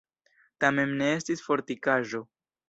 Tamen ne estis fortikaĵo.